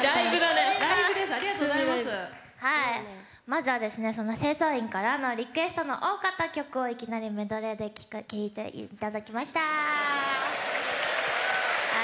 まずは清掃員からのリクエストが多かった曲をメドレーで聴いていただきました。